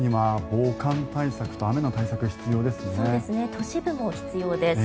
都市部も必要です。